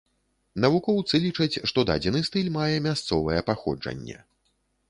Навукоўцы лічаць, што дадзены стыль мае мясцовае паходжанне.